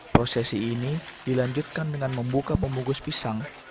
prosesi ini dilanjutkan dengan membuka pembungkus pisang